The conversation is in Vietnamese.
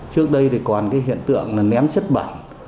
trước đây còn hiện tượng ném chất bẩn